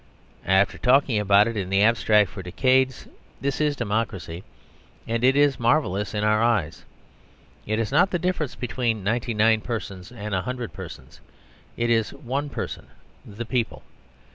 After talking about it in the abstract for decades, this is Democracy, and it is marvellous in our eyes. It is not the difference between ninety nine persons and a hundred persons; it is one person the people.